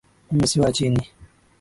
Mimi si wa chini.